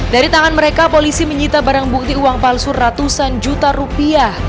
dari tangan mereka polisi menyita barang bukti uang palsu ratusan juta rupiah